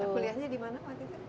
kuliahnya di mana waktu itu